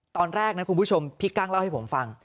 ตอนแรกนะคุณผู้ชมพี่กั้งเล่าให้ผมฟัง